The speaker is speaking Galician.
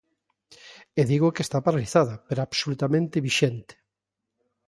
E digo que está paralizada pero absolutamente vixente.